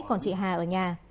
còn chị hà ở nhà